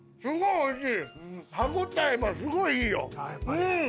おいしい。